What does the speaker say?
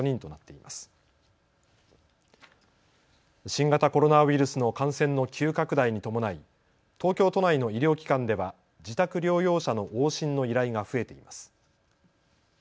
新型コロナウイルスの感染の急拡大に伴い東京都内の医療機関では自宅療養者の往診の依頼が増えています。